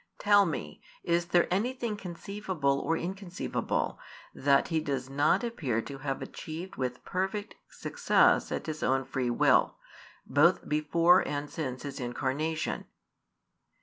Tell me, is there anything conceivable or inconceivable that He does not appear to have achieved with perfect success at His own free will, both before and since His Incarnation?